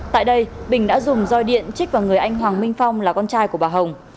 tại đây bình đã dùng roi điện trích vào người anh hoàng minh phong là con trai của bà hồng